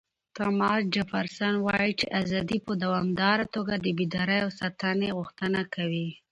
تاماس جفرسن وایي چې ازادي په دوامداره توګه د بیدارۍ او ساتنې غوښتنه کوي.